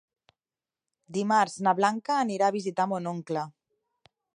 Dimarts na Blanca anirà a visitar mon oncle.